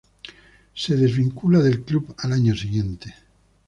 Se desvincula del club al año siguiente.